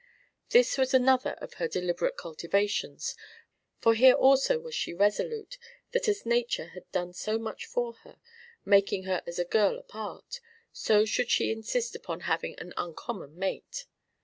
This was another of her deliberate cultivations, for here also was she resolute that as nature had done so much for her, marking her as a girl apart, so should she insist upon having an uncommon mate.